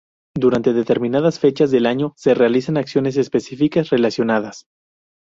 Durante determinadas fechas del año se realizan acciones específicas relacionadas.